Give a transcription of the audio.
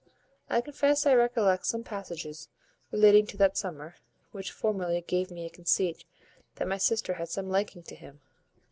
I confess I recollect some passages relating to that Summer, which formerly gave me a conceit that my sister had some liking to him.